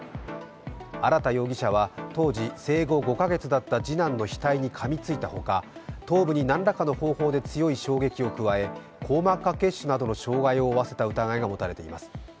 荒田容疑者は当時生後５か月だった次男の額にかみついたほか頭部に何らかの方法で強い衝撃を加え、硬膜下血腫などの傷害を負わせた疑いが持たれています。